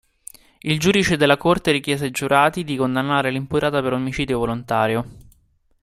Il giudice della corte richiese ai giurati di condannare l'imputata per omicidio volontario.